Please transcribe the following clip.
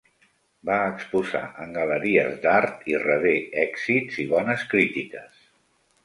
Va exposar en galeries d'art, i rebé èxits i bones crítiques.